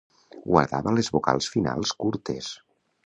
Guardava les vocals finals curtes.